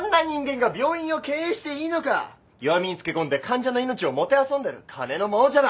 弱みにつけ込んで患者の命をもてあそんでる金の亡者だ！